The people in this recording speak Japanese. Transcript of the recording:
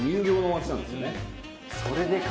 それでか。